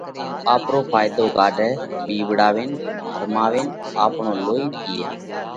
ان آپرو ڦائيۮو ڪاڍئه؟ ٻِيوَڙاوينَ، ڀرماوينَ آپڻو لوئِي پِيئه؟